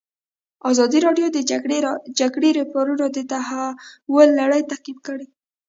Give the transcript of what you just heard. ازادي راډیو د د جګړې راپورونه د تحول لړۍ تعقیب کړې.